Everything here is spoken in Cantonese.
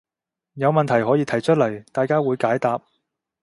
有問題可以提出來，大家會解答